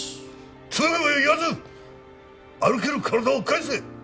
つべこべ言わず歩ける体を返せ！